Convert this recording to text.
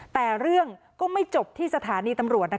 แต่เรื่องก็ไม่จบที่สถานีตำรวจ